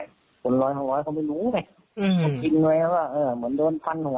คนร้อยของร้อยเขาไม่รู้ไหมอืมเขากินไว้แล้วว่าเออเหมือนโดนพันหัว